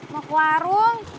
mau ke warung